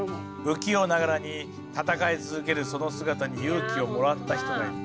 不器用ながらに戦い続けるその姿に勇気をもらった人がいる。